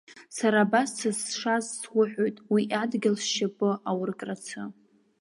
Сара абас сызшаз суҳәоит, уи адгьыл сшьапы ауркрацы!